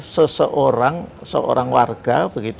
seseorang seorang warga